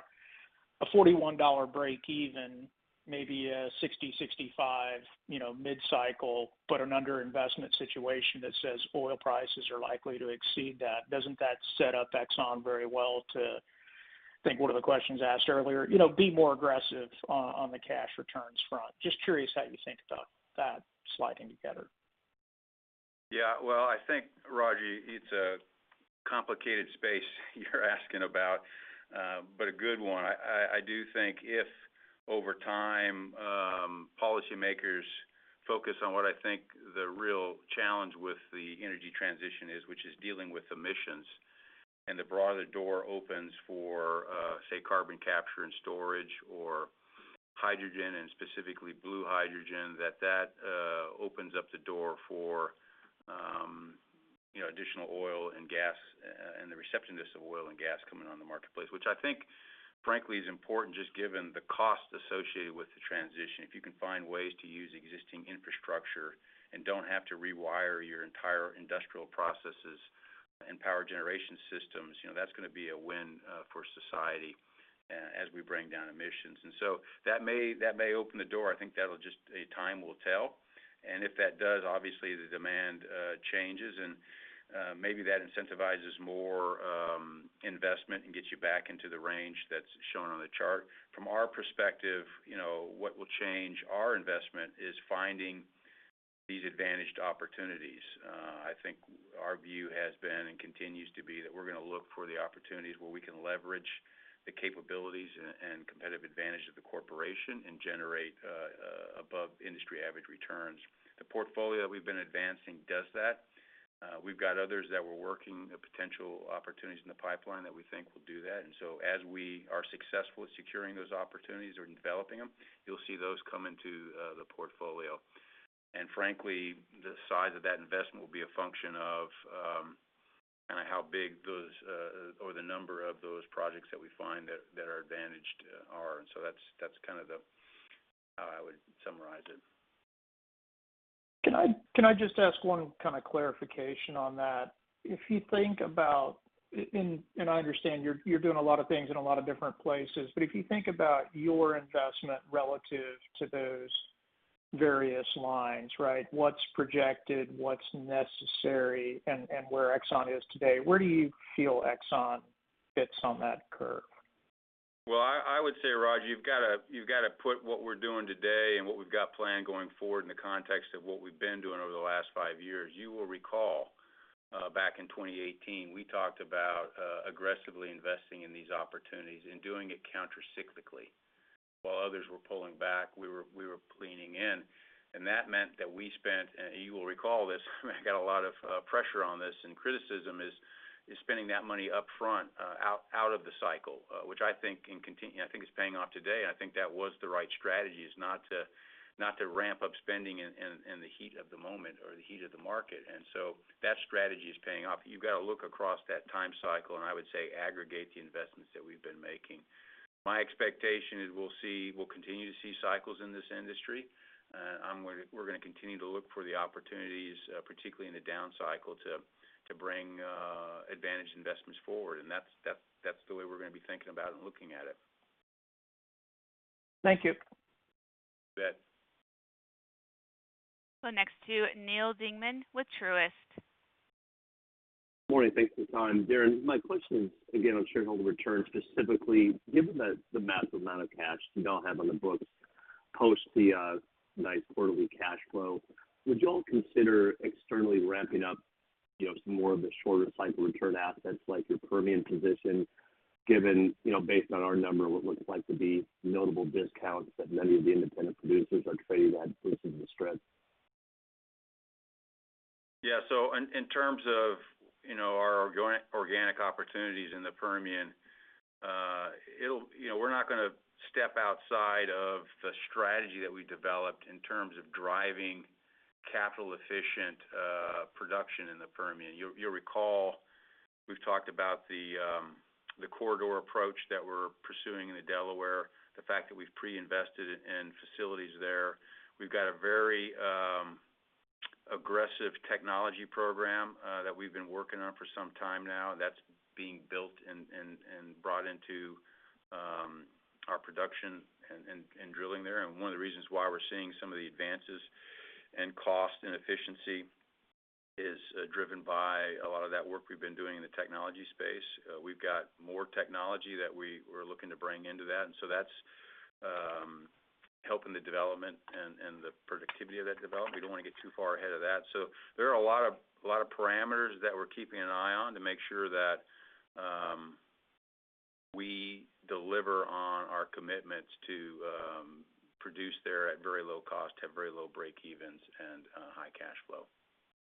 a $41 breakeven, maybe a 60-65, you know, mid-cycle, but an under-investment situation that says oil prices are likely to exceed that, doesn't that set up Exxon very well to, I think one of the questions asked earlier, you know, be more aggressive on the cash returns front? Just curious how you think about that sliding together. Yeah. Well, I think, Roger, it's a complicated space you're asking about, but a good one. I do think if over time, policymakers focus on what I think the real challenge with the energy transition is, which is dealing with emissions, and the broader door opens for, say, carbon capture and storage or hydrogen, and specifically blue hydrogen, that opens up the door for, you know, additional oil and gas and the reacceptance of oil and gas coming on the marketplace. Which I think, frankly, is important just given the cost associated with the transition. If you can find ways to use existing infrastructure and don't have to rewire your entire industrial processes and power generation systems, you know, that's gonna be a win, for society as we bring down emissions. That may open the door. I think time will tell. If that does, obviously, the demand changes, and maybe that incentivizes more investment and gets you back into the range that's shown on the chart. From our perspective, you know, what will change our investment is finding these advantaged opportunities. I think our view has been and continues to be that we're gonna look for the opportunities where we can leverage the capabilities and competitive advantage of the corporation and generate above industry average returns. The portfolio we've been advancing does that. We've got others that we're working, potential opportunities in the pipeline that we think will do that. As we are successful at securing those opportunities or developing them, you'll see those come into the portfolio. Frankly, the size of that investment will be a function of kinda how big those or the number of those projects that we find that are advantaged are. That's kind of the how I would summarize it. Can I just ask one kind of clarification on that? If you think about and I understand you're doing a lot of things in a lot of different places, but if you think about your investment relative to those various lines, right? What's projected, what's necessary, and where Exxon is today. Where do you feel Exxon fits on that curve? Well, I would say, Roger, you've got to put what we're doing today and what we've got planned going forward in the context of what we've been doing over the last five years. You will recall back in 2018, we talked about aggressively investing in these opportunities and doing it countercyclically. While others were pulling back, we were leaning in. That meant that we spent, and you will recall this, I got a lot of pressure on this and criticism is spending that money upfront out of the cycle, which I think can continue. I think it's paying off today. I think that was the right strategy is not to ramp up spending in the heat of the moment or the heat of the market. That strategy is paying off. You've got to look across that time cycle, and I would say aggregate the investments that we've been making. My expectation is we'll continue to see cycles in this industry. We're gonna continue to look for the opportunities, particularly in the down cycle, to bring advantage investments forward. That's the way we're gonna be thinking about and looking at it. Thank you. You bet. We'll go next to Neal Dingmann with Truist. Morning. Thanks for the time. Darren, my question is again on shareholder return specifically. Given the massive amount of cash you all have on the books post the nice quarterly cash flow, would you all consider externally ramping up, you know, some more of the shorter cycle return assets like your Permian position given, you know, based on our number, what looks like to be notable discounts that many of the independent producers are trading at due to the distress? In terms of, you know, our organic opportunities in the Permian. We're not gonna step outside of the strategy that we developed in terms of driving capital efficient production in the Permian. You'll recall, we've talked about the corridor approach that we're pursuing in the Delaware, the fact that we've pre-invested in facilities there. We've got a very aggressive technology program that we've been working on for some time now, and that's being built and brought into our production and drilling there. One of the reasons why we're seeing some of the advances in cost and efficiency is driven by a lot of that work we've been doing in the technology space. We've got more technology that we're looking to bring into that, and so that's helping the development and the productivity of that development. We don't wanna get too far ahead of that. There are a lot of parameters that we're keeping an eye on to make sure that we deliver on our commitments to produce there at very low cost, have very low breakeven, and high cash flow.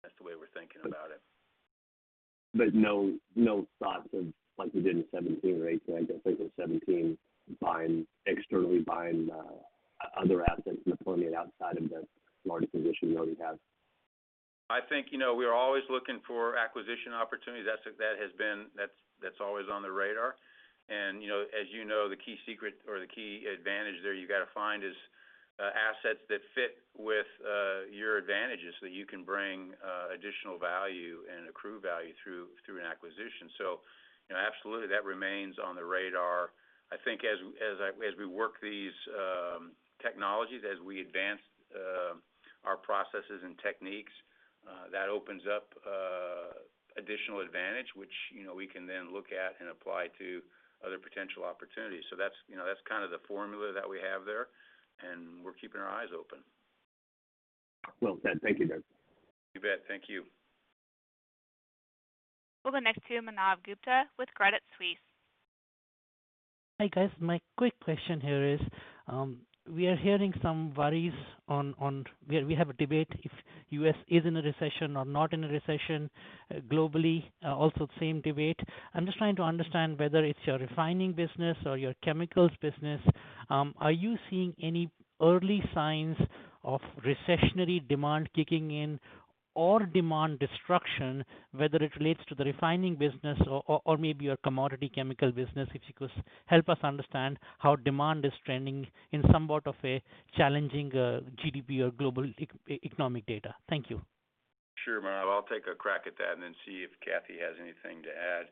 That's the way we're thinking about it. No thoughts of like you did in 2017 or 2018, I think it was 2017, externally buying other assets in the Permian outside of the larger position you already have? I think, you know, we are always looking for acquisition opportunities. That's always on the radar. You know, as you know, the key secret or the key advantage there you gotta find is assets that fit with your advantages, that you can bring additional value and accrue value through an acquisition. You know, absolutely that remains on the radar. As we work these technologies, as we advance our processes and techniques, that opens up additional advantage, which, you know, we can then look at and apply to other potential opportunities. That's kind of the formula that we have there, and we're keeping our eyes open. Well said. Thank you, Darren. You bet. Thank you. We'll go next to Manav Gupta with Credit Suisse. Hi, guys. My quick question here is, we are hearing some worries. We have a debate if U.S. is in a recession or not in a recession. Globally, also the same debate. I'm just trying to understand whether it's your refining business or your chemicals business, are you seeing any early signs of recessionary demand kicking in or demand destruction, whether it relates to the refining business or maybe your commodity chemical business? If you could help us understand how demand is trending in somewhat of a challenging GDP or global economic data. Thank you. Sure, Manav. I'll take a crack at that and then see if Kathy has anything to add.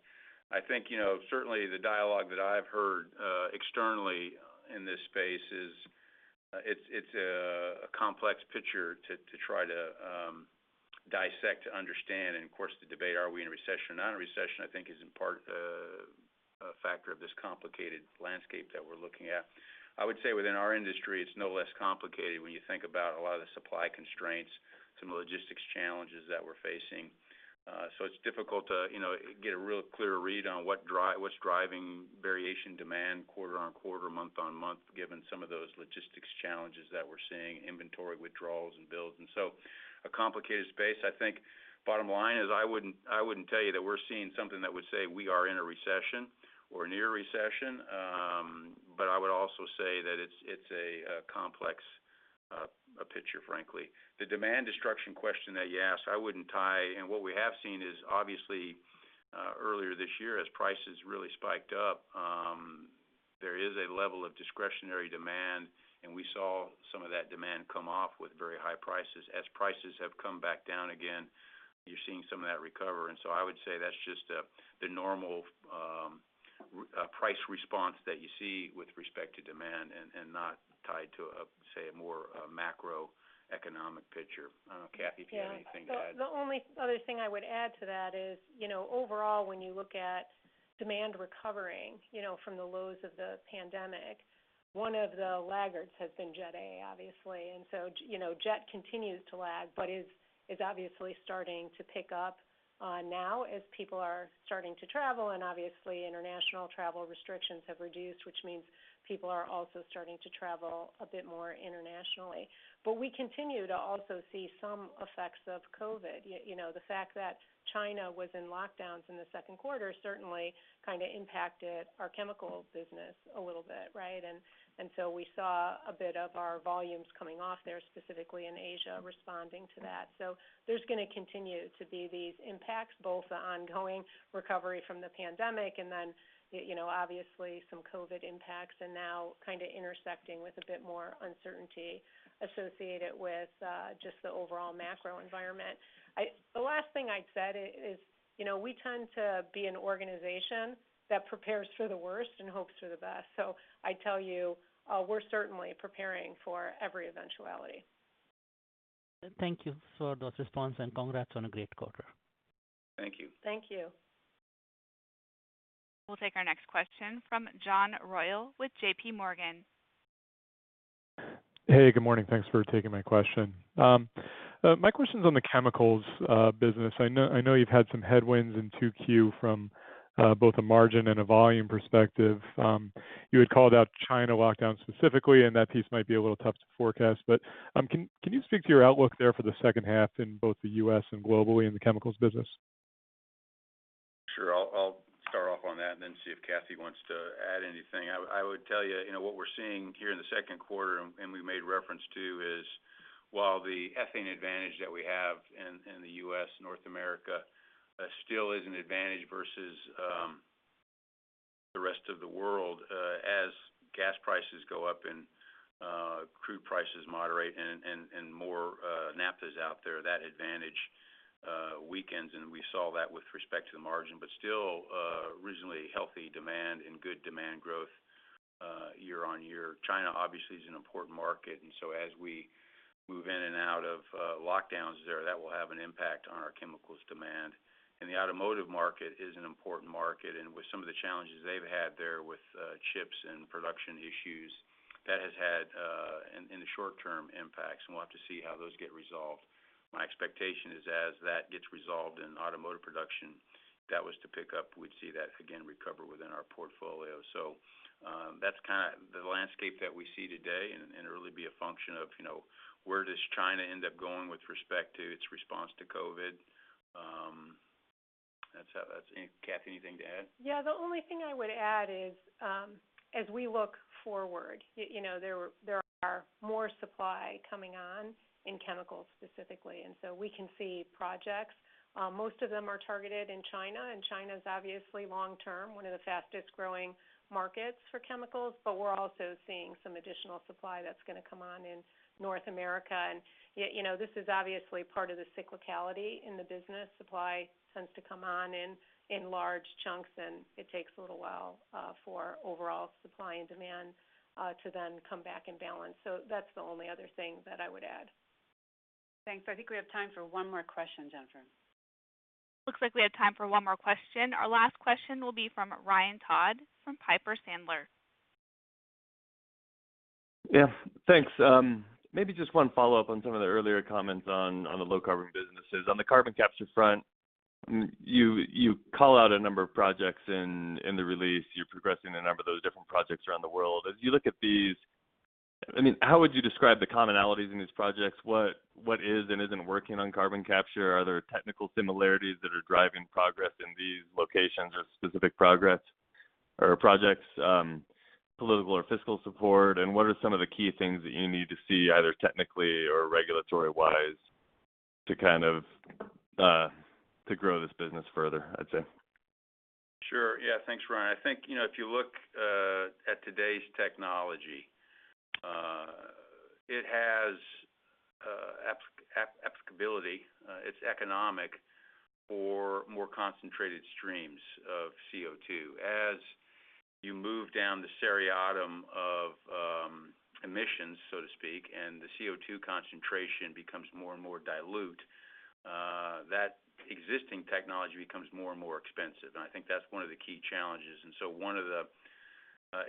I think, you know, certainly the dialogue that I've heard externally in this space is it's a complex picture to try to dissect to understand. Of course, the debate, are we in a recession or not in a recession, I think is in part a factor of this complicated landscape that we're looking at. I would say within our industry, it's no less complicated when you think about a lot of the supply constraints, some of the logistics challenges that we're facing. So it's difficult to, you know, get a real clear read on what's driving variation demand quarter-over-quarter, month-over-month, given some of those logistics challenges that we're seeing, inventory withdrawals and builds. A complicated space. I think bottom line is I wouldn't tell you that we're seeing something that would say we are in a recession or near a recession. I would also say that it's a complex picture frankly. The demand destruction question that you asked, what we have seen is obviously earlier this year as prices really spiked up, there is a level of discretionary demand, and we saw some of that demand come off with very high prices. As prices have come back down again, you're seeing some of that recover. I would say that's just the normal price response that you see with respect to demand and not tied to say, a more macroeconomic picture. I don't know, Kathy, if you have anything to add. Yeah. The only other thing I would add to that is, you know, overall, when you look at demand recovering, you know, from the lows of the pandemic, one of the laggards has been Jet A, obviously. You know, jet continues to lag, but is obviously starting to pick up now as people are starting to travel, and obviously international travel restrictions have reduced, which means people are also starting to travel a bit more internationally. We continue to also see some effects of COVID. You know, the fact that China was in lockdowns in the second quarter certainly kinda impacted our chemical business a little bit, right? We saw a bit of our volumes coming off there, specifically in Asia responding to that. There's gonna continue to be these impacts, both the ongoing recovery from the pandemic and then, you know, obviously some COVID impacts, and now kinda intersecting with a bit more uncertainty associated with, just the overall macro environment. The last thing I'd said is, you know, we tend to be an organization that prepares for the worst and hopes for the best. I'd tell you, we're certainly preparing for every eventuality. Thank you for those responses and congrats on a great quarter. Thank you. Thank you. We'll take our next question from John Royall with JPMorgan. Hey, good morning. Thanks for taking my question. My question's on the chemicals business. I know you've had some headwinds in Q2 from both a margin and a volume perspective. You had called out China lockdown specifically, and that piece might be a little tough to forecast, but can you speak to your outlook there for the second half in both the U.S. and globally in the chemicals business? Sure. I'll start off on that and then see if Kathy wants to add anything. I would tell you know, what we're seeing here in the second quarter, and we made reference to is while the ethane advantage that we have in the U.S., North America, still is an advantage versus the rest of the world. As gas prices go up and crude prices moderate and more naphtha out there, that advantage weakens, and we saw that with respect to the margin, but still, reasonably healthy demand and good demand growth year-over-year. China obviously is an important market, and so as we move in and out of lockdowns there, that will have an impact on our chemicals demand. The automotive market is an important market, and with some of the challenges they've had there with chips and production issues, that has had in the short term impacts, and we'll have to see how those get resolved. My expectation is as that gets resolved in automotive production, if that was to pick up, we'd see that again recover within our portfolio. That's kinda the landscape that we see today and it'll really be a function of, you know, where does China end up going with respect to its response to COVID? Kathy, anything to add? Yeah. The only thing I would add is, as we look forward, you know, there are more supply coming on in chemicals specifically, and so we can see projects. Most of them are targeted in China, and China's obviously long-term, one of the fastest-growing markets for chemicals. But we're also seeing some additional supply that's gonna come on in North America. You know, this is obviously part of the cyclicality in the business. Supply tends to come on in large chunks, and it takes a little while for overall supply and demand to then come back and balance. So that's the only other thing that I would add. Thanks. I think we have time for one more question, Jennifer. Looks like we have time for one more question. Our last question will be from Ryan Todd from Piper Sandler. Yeah. Thanks. Maybe just one follow-up on some of the earlier comments on the low carbon businesses. On the carbon capture front, you call out a number of projects in the release. You're progressing a number of those different projects around the world. As you look at these, I mean, how would you describe the commonalities in these projects? What is and isn't working on carbon capture? Are there technical similarities that are driving progress in these locations or specific progress or projects, political or fiscal support? And what are some of the key things that you need to see either technically or regulatory-wise to kind of to grow this business further, I'd say? Sure. Yeah. Thanks, Ryan. I think, you know, if you look at today's technology, it has applicability, it's economical for more concentrated streams of CO2. As you move down the spectrum of emissions, so to speak, and the CO2 concentration becomes more and more dilute, that existing technology becomes more and more expensive, and I think that's one of the key challenges. One of the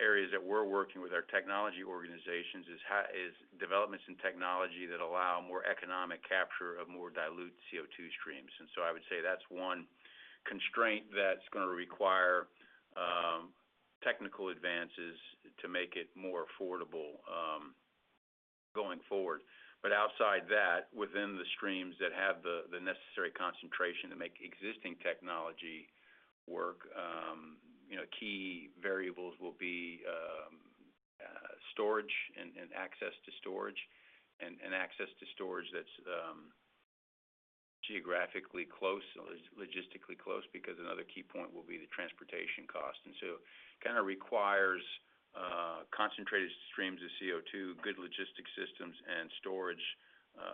areas that we're working with our technology organizations is developments in technology that allow more economic capture of more dilute CO2 streams. I would say that's one constraint that's gonna require technical advances to make it more affordable going forward. Outside that, within the streams that have the necessary concentration to make existing technology work, key variables will be storage and access to storage that's geographically close or logistically close because another key point will be the transportation cost. Kinda requires concentrated streams of CO2, good logistics systems, and storage,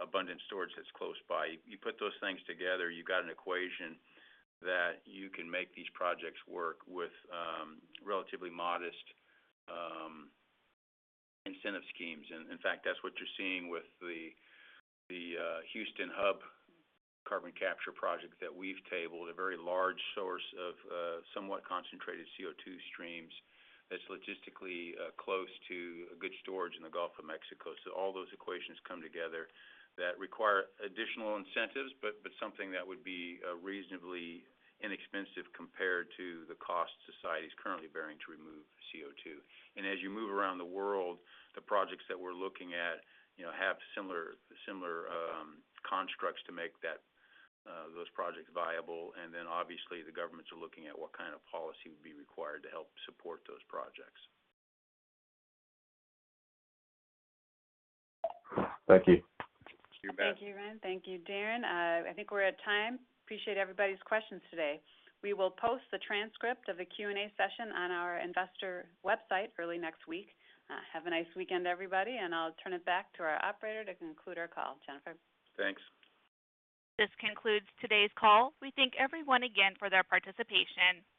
abundant storage that's close by. You put those things together, you've got an equation that you can make these projects work with relatively modest incentive schemes. In fact, that's what you're seeing with the Houston Hub carbon capture project that we've tabled, a very large source of somewhat concentrated CO2 streams that's logistically close to a good storage in the Gulf of Mexico. All those equations come together that require additional incentives but something that would be reasonably inexpensive compared to the cost society's currently bearing to remove CO2. As you move around the world, the projects that we're looking at, you know, have similar constructs to make that those projects viable. Obviously, the governments are looking at what kind of policy would be required to help support those projects. Thank you. You bet. Thank you, Ryan. Thank you, Darren. I think we're at time. Appreciate everybody's questions today. We will post the transcript of the Q&A session on our investor website early next week. Have a nice weekend, everybody, and I'll turn it back to our operator to conclude our call. Jennifer? Thanks. This concludes today's call. We thank everyone again for their participation.